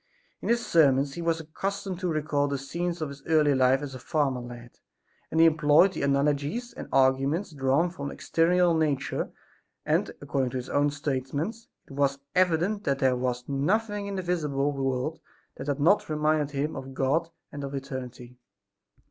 In his sermons he was accustomed to recall the scenes of his early life as a farmer lad, and he employed the analogies and arguments drawn from external nature and, according to his own statements, it was evident that there was nothing in the visible world that had not reminded him of God and of eternity.